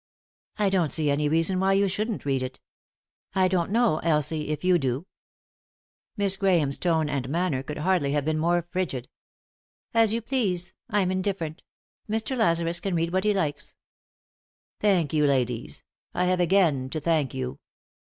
"I don't see any reason why you shouldn't read it. I don't know, Elsie, if you do." 4* ;«y?e.c.V GOOglC THE INTERRUPTED KISS Miss Grahame's tone and manner could hardly have been more frigid. " As you please ; I'm indifferent. Mr. Lazarus can read what he likes." "Thank you, ladies; I have again to thank you."